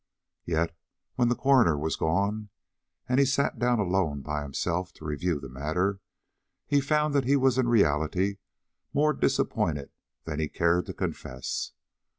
Yet, when the coroner was gone, and he sat down alone by himself to review the matter, he found he was in reality more disappointed than he cared to confess.